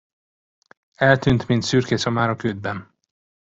Eltűnt, mint szürke szamár a ködben.